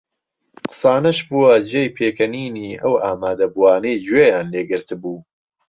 قسانەش بووە جێی پێکەنینی ئەو ئامادەبووانەی گوێیان لێ گرتبوو